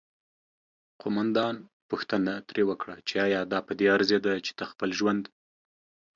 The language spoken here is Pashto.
قوماندان پوښتنه ترې وکړه چې آیا دا پدې ارزیده چې ته خپل ژوند